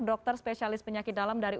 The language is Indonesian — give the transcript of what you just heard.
dokter spesialis penyakit dalam dari